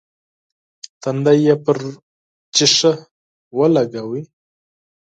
تندی يې پر ښيښه ولګاوه.